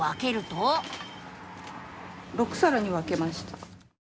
・６さらに分けました。